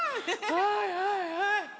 はいはいはい。